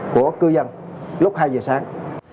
của cư dân lúc hai giờ sáng